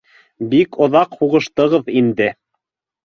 Бик оҙаҡ һуғыштығыҙ инде.